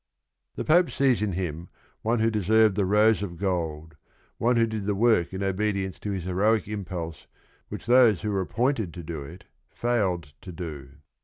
The Pope sees in him one who deserved the rose of gold, one who did the work in obedience to his heroic impulse which those who were ap pointed to do it failed to do.